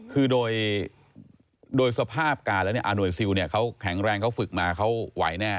คือโดยสภาพการณ์อาหนวยซิลเขาแข็งแรงเขาฝึกมาเขาไหวแน่